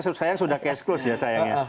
betul saya sayang sudah case closed ya sayangnya